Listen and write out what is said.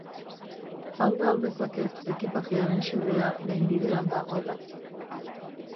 Alda al dezaket ekipajearen xedea behin bidean dagoela?